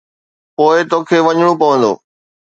پوءِ توکي وڃڻو پوندو.